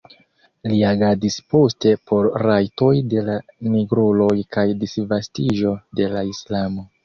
Li agadis poste por rajtoj de la nigruloj kaj disvastiĝo de la islamo.